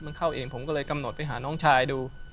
มันเข้าเองผมก็เลยกำหนดไปหาน้องชายดู